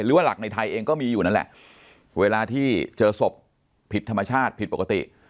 หรือว่าหลักในไทยเองก็มีอยู่นั่นแหละเวลาที่เจอศพผิดธรรมชาติผิดปกติ